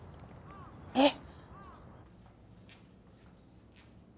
えっ？